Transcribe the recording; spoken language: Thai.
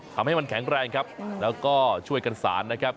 ทำให้มันแข็งแรงครับแล้วก็ช่วยกันสารนะครับ